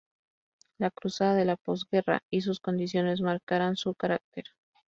La crudeza de la posguerra y sus condiciones marcarán su carácter.